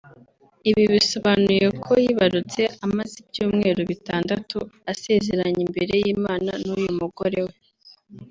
Ibi bisobanuye ko yibarutse amaze ibyumweru bitandatu asezeranye imbere y’Imana n’uyu mugore we